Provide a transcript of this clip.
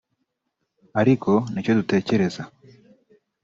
ariko ni cyo dutekereza”